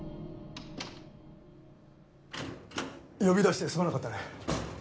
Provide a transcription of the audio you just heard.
呼び出してすまなかったね。